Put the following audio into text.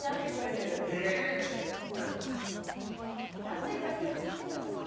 熱いから気を付けてください。